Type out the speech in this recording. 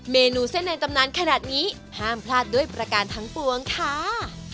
เมนูเส้นในตำนานขนาดนี้ห้ามพลาดด้วยประการทั้งปวงค่ะ